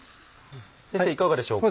先生いかがでしょうか？